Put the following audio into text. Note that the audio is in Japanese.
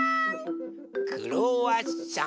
クロワッサン！